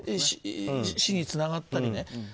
死につながったり。